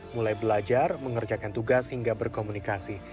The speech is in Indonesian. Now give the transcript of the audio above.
mulai belajar mengerjakan tugas hingga berkomunikasi